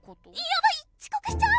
やばいちこくしちゃう！